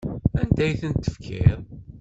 Anda ay ten-tefkiḍ?